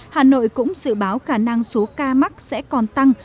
hà nội cũng dự báo khả năng số ca mắc sẽ còn tăng